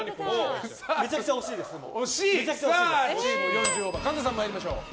４０オーバーの神田さん参りましょう。